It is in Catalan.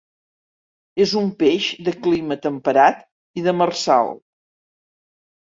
És un peix de clima temperat i demersal.